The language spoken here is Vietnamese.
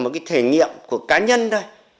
một cái thể nghiệm của cá nhân thôi